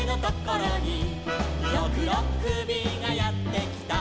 「ろくろっくびがやってきた」